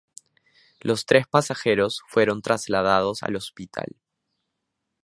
Los tres pasajeros fueron trasladados al hospital.